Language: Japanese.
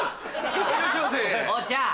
おっちゃん！